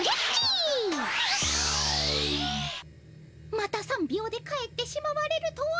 また３秒で帰ってしまわれるとは。